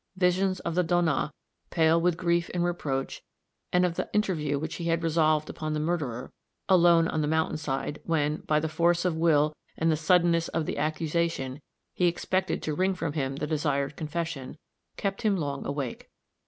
Visions of the Donna, pale with grief and reproach, and of the interview which he had resolved upon with the murderer, alone on the mountainside, when, by the force of will, and the suddenness of the accusation, he expected to wring from him the desired confession kept him long awake.